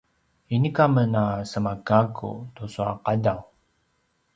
inika men a sema gakku tucu a qadaw